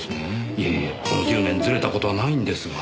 いやいやこの１０年ずれた事はないんですがねえ。